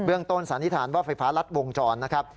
ต้นสันนิษฐานว่าไฟฟ้ารัดวงจรนะครับ